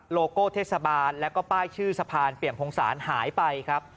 โลโก้เทศบาลแล้วก็ป้ายชื่อสะพานเปี่ยมพงศาลหายไปครับ